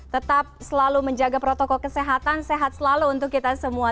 tetap selalu menjaga protokol kesehatan sehat selalu untuk kita semua